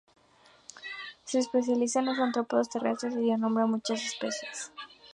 Se especializa en los artrópodos terrestres y dio nombre a muchas especies.